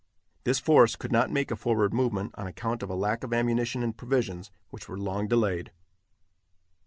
This force could not make a forward movement on account of a lack of ammunition and provisions, which were long delayed.